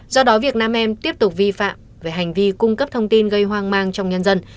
do đó việc nam em tiếp tục vi phạm về hành vi cung cấp thông tin gây hoang mang trong nhân dân